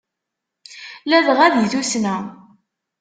Ladɣa di tussna.